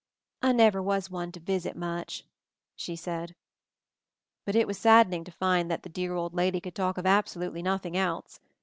"I never was one to visit much," she said. But it was saddening to find that the dear old lady could talk of absolutely nothing else.